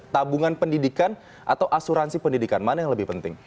tabungan pendidikan atau asuransi pendidikan mana yang lebih penting